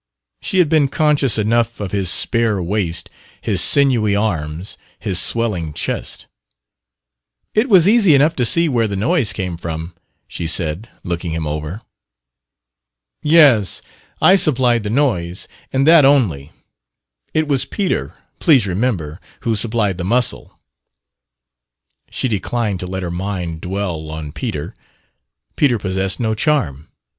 She had been conscious enough of his spare waist, his sinewy arms, his swelling chest. "It was easy enough to see where the noise came from," she said, looking him over. "Yes, I supplied the noise and that only. It was Peter, please remember, who supplied the muscle." She declined to let her mind dwell on Peter. Peter possessed no charm.